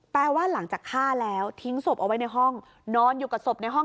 แปลว่าหลังจากฆ่าแล้วทิ้งศพเอาไว้ในห้องนอนอยู่กับศพในห้อง